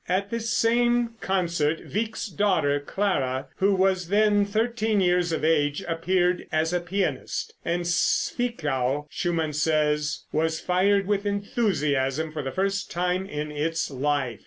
At this same concert Wieck's daughter, Clara, who was then thirteen years of age, appeared as a pianist, and Zwickau, Schumann says, "was fired with enthusiasm for the first time in its life."